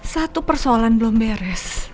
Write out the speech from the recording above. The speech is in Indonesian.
satu persoalan belum beres